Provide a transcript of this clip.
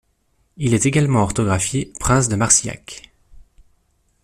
Il est également orthographié Prince de Marsillac.